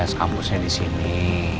jess kampusnya disini